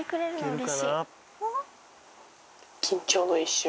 緊張の一瞬。